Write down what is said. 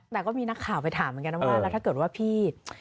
แต่ก็มีนักข่าวไปถามเหมือนกันนะว่าแล้วถ้าเกิดว่าพี่